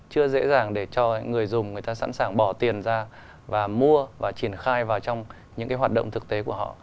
chưa dễ dàng để cho người dùng người ta sẵn sàng bỏ tiền ra và mua và triển khai vào trong những cái hoạt động thực tế của họ